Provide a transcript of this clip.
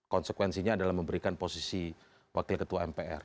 konsekuensinya adalah memberikan posisi wakil ketua mpr